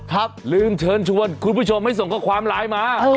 ลืมเชิญชวนคุณผู้ชมให้ส่งข้อความไลน์มา